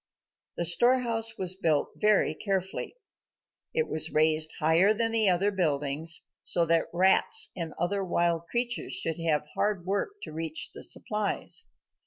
The storehouse was built very carefully. It was raised higher than the other buildings so that rats and other wild creatures should have hard work to reach the supplies.